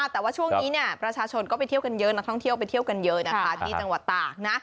แต่ว่าช่วงนี้ประชาชนก็ไปเที่ยวกันเยอะนักท่องเที่ยวไปเที่ยวกันเยอะนะคะที่จังหวัดตากนะ